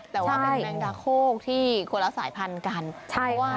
แต่ว่าเป็นแม่งดาโคกที่คิดว่าสยาสายพันธุ์กัน